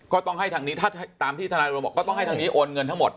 ก็ต้องให้ทางนี้ถ้าตามที่ธนายรวมบอกก็ต้องให้ทางนี้โอนเงินทั้งหมด